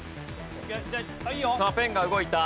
さあペンが動いた。